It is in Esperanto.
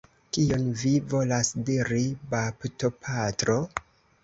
Kion vi volas diri, baptopatro?